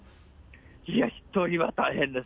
いや、１人は大変です。